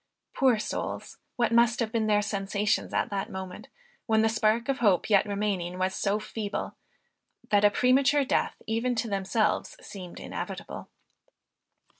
Poor souls, what must have been their sensations at that moment, when the spark of hope yet remaining was so feeble, that a premature death even to themselves seemed inevitable.